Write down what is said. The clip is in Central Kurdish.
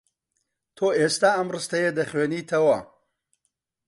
تۆ ئێستا ئەم ڕستەیە دەخوێنیتەوە.